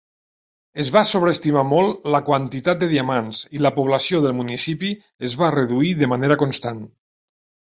Es va sobreestimar molt la quantitat de diamants, i la població del municipi es va reduir de manera constant.